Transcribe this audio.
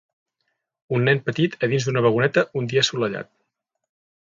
Un nen petit a dins d'una vagoneta un dia assolellat.